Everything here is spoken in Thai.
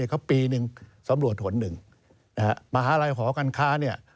เขาปีหนึ่งสำรวจหนึ่งมหาลัยหอการค้า